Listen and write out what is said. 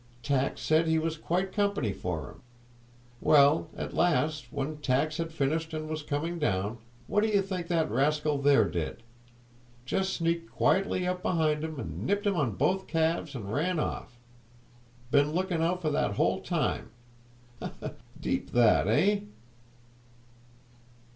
Tacks said he was quite company for him. Well, at last, when Tacks had finished and was coming down, what do you thing that rascal there did? Just sneaked quietly up behind and nipped him in both calves and ran off. Been looking out for that the whole time! Ha, ha!—deep that, eh?"